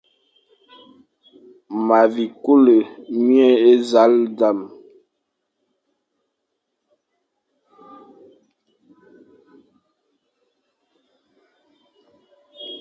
Ma vi kule mie e zal dam,